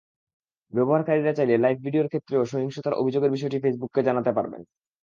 ব্যবহারকারীরা চাইলে লাইভ ভিডিওর ক্ষেত্রেও সহিংসতার অভিযোগের বিষয়টি ফেসবুককে জানাতে পারবেন।